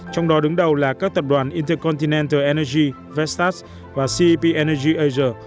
trong đó đứng đầu là các tập đoàn intercontinental energy vestas và cep energy asia